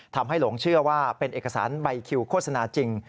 หลงเชื่อว่าเป็นเอกสารใบคิวโฆษณาจริง